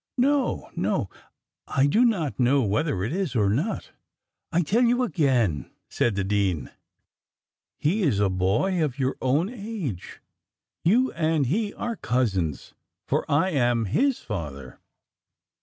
"No, no, I do not know whether it is or not." "I tell you again," said the dean, "he is a boy of your own age; you and he are cousins, for I am his father."